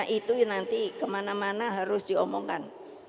itu nanti kemana mana harus diomongkan